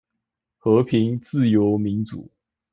和平、自由、民主